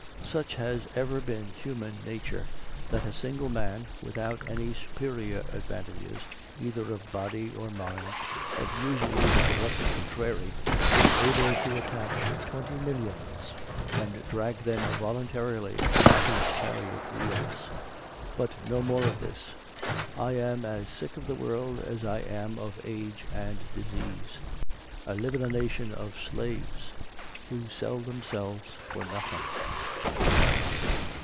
Such has ever been human nature, that a single man, without any superior advantages either of body or mind, but usually the direct contrary, is able to attach twenty millions, and drag them voluntarily at his chariot wheels. But no more of this: I am as sick of the world as I am of age and disease. I live in a nation of slaves, who sell themselves for nothing."